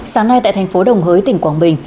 sáng nay tại thành phố đồng hới tỉnh quảng bình